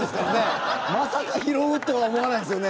まさか拾うとは思わないですよね。